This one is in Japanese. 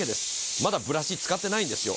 まだブラシ使ってないんですよ、。